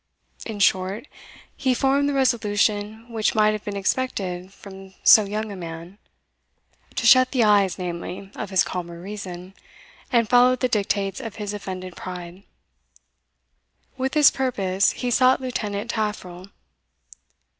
In short, he formed the resolution which might have been expected from so young a man, to shut the eyes, namely, of his calmer reason, and follow the dictates of his offended pride. With this purpose he sought Lieutenant Taffril.